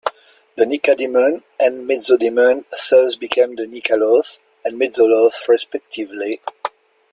The Nycadaemon and Mezzodaemon thus became the Nycaloth and Mezzoloth respectively.